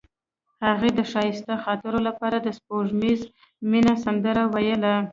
هغې د ښایسته خاطرو لپاره د سپوږمیز مینه سندره ویله.